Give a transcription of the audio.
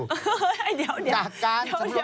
เดี๋ยวอันนั้นมันอะไร